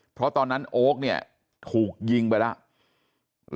เพราะตอนนั้นโอ๊คเนี่ยถูกยิงไปแล้ว